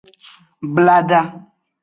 Blada.